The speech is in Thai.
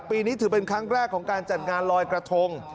ปีนี้ถือเป็นครั้งแรกของการจัดงานลอยกระทง